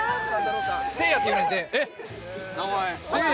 せいやって言うんやって。